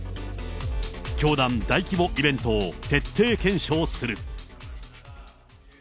教団大規模イベントを徹底検証する。